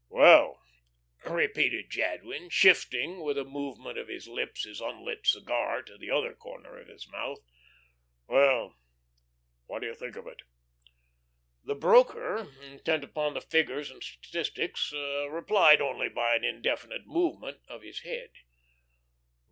"Well," repeated Jadwin, shifting with a movement of his lips his unlit cigar to the other corner of his mouth, "well, what do you think of it?" The broker, intent upon the figures and statistics, replied only by an indefinite movement of the head.